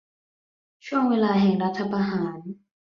ช่วงเวลาแห่งรัฐประหาร